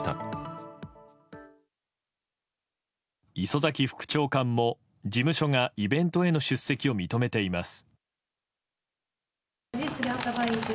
磯崎副長官も事務所がイベントへの出席を認めています。